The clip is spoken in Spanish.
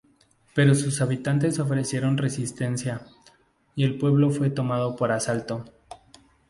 Pero sus habitantes ofrecieron resistencia, y el pueblo fue tomado por asalto.